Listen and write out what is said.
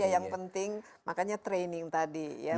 yang penting makanya training tadi ya